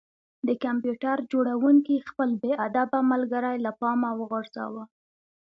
د کمپیوټر جوړونکي خپل بې ادبه ملګری له پامه وغورځاوه